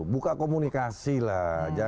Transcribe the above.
buka komunikasi lah